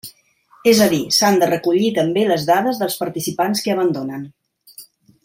És a dir, s'han de recollir també les dades dels participants que abandonen.